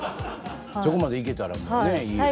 そこまでいけたらもうねいいよね。